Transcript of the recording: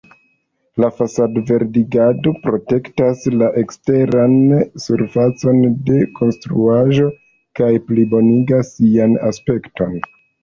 La fasad-verdigado protektas la eksteran surfacon de konstruaĵo kaj plibonigas sian aspekton.